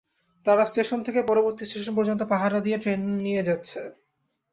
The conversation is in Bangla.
তারা স্টেশন থেকে পরবর্তী স্টেশন পর্যন্ত পাহারা দিয়ে ট্রেন নিয়ে যাচ্ছে।